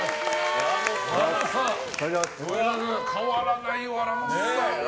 変わらないわ、ラモスさん。